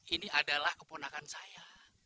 ini adalah keponakan saya